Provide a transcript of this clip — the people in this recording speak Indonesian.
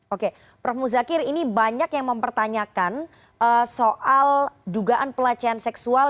oke prof muzakir ini banyak yang mempertanyakan soal dugaan pelecehan seksual